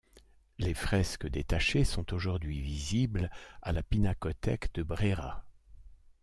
Les fresques détachées, sont aujourd’hui visibles à la Pinacothèque de Brera.